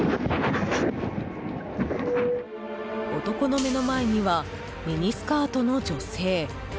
男の目の前にはミニスカートの女性。